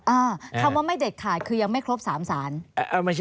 คำว่าไม่เด็ดขาดคือยังไม่ครบสามสาร